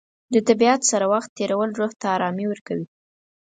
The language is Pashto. د طبیعت سره وخت تېرول روح ته ارامي ورکوي.